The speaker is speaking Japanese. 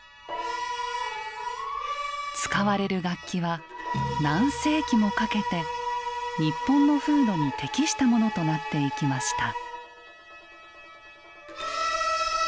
使われる楽器は何世紀もかけて日本の風土に適したものとなっていきました。